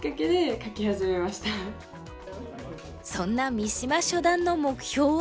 そんな三島初段の目標は？